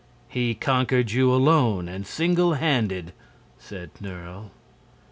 "He conquered you alone and single handed," said Nerle.